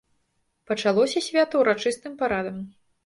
Пачалося свята ўрачыстым парадам.